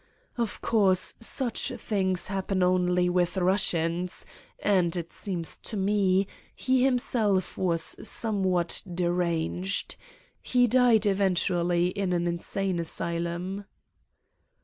Of course, such things happen only with Eussians and, it seems to me, he himself was somewhat de ranged. He died eventually in an insane asy lum."